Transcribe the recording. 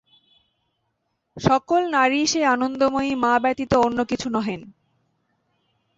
সকল নারীই সেই আনন্দময়ী মা ব্যতীত অন্য কিছু নহেন।